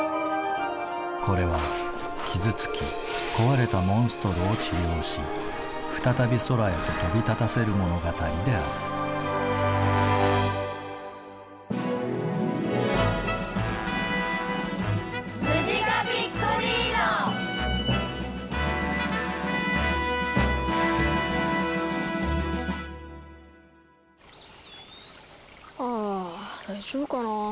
これは傷つき壊れたモンストロを治療し再び空へと飛び立たせる物語であるああ大丈夫かなぁ。